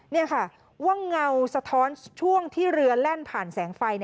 นี่ค่ะว่าเงาสะท้อนช่วงที่เรือแล่นผ่านแสงไฟ